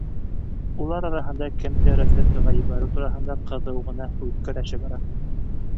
Улар араһында кемде разведкаға ебәреү тураһында ҡыҙыу ғына һүҙ көрәше бара.